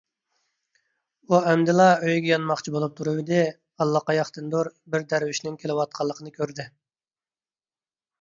ئۇ ئەمدىلا ئۆيىگە يانماقچى بولۇپ تۇرۇۋىدى، ئاللىقاياقتىندۇر بىر دەرۋىشنىڭ كېلىۋاتقانلىقىنى كۆردى.